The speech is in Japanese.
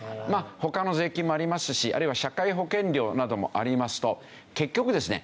他の税金もありますしあるいは社会保険料などもありますと結局ですね